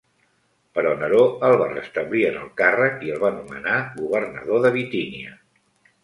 Però Neró el va restablir en el càrrec i el va nomenar governador de Bitínia.